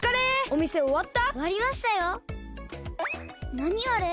なにあれ！？